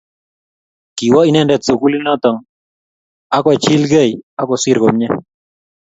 kiwoo inendet sugulit noto ak kochilgei ak kosir komie